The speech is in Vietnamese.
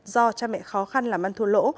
do cha mẹ khó khăn làm ăn thu lỗ